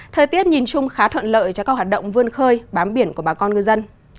thời tiết nhìn chung khá thuận lợi cho các hoạt động vươn khơi bám biển của bà con ngư dân